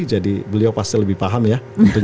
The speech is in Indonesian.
jadi beliau pasti lebih paham ya